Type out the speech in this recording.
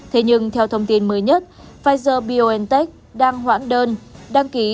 thế nhưng theo thông tin mới nhất pfizer biontech đang hoãn đơn đăng ký